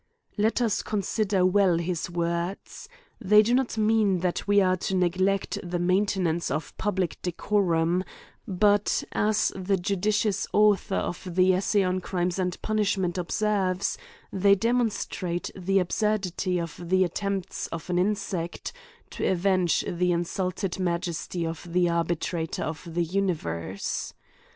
Let us consider well his words : They do not mean that we are to neglect the mainte nance of public decorum ; but, as the judicious author of the "Essay on Crimes and Punish ments" observes, they demonstrate the absurdity of the attempts of an insect, to avenge the insult ed majesty of the arbitrator of the universe.